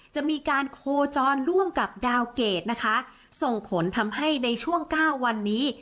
จะมีการโคจรร่วมกับดาวเกรดนะคะส่งผลทำให้ในช่วงเก้าวันนี้